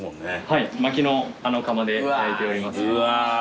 はいまきのあの窯で焼いております。